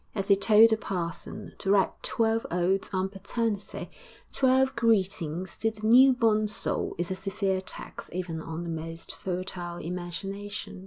As he told the parson, to write twelve odes on paternity, twelve greetings to the new born soul, is a severe tax even on the most fertile imagination.